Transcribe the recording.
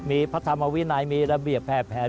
มีพระธรรมวินัยมีระเบียบแผ่แผน